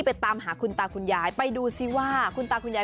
ไปตามหาคุณตาคุณยายไปดูว่า